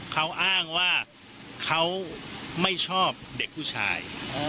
เขาอ้างว่าเขาไม่ชอบเด็กผู้ชาย